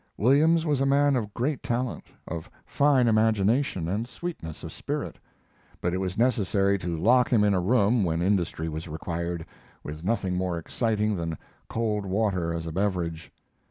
Williams was a man of great talent of fine imagination and sweetness of spirit but it was necessary to lock him in a room when industry was required, with nothing more exciting than cold water as a beverage.